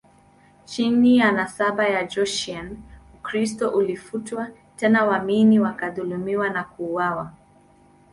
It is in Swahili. Chini ya nasaba ya Joseon, Ukristo ulifutwa, tena waamini walidhulumiwa na kuuawa.